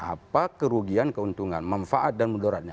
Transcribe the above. apa kerugian keuntungan manfaat dan mundurannya